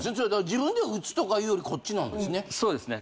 自分で打つとかいうよりこっちなんですね？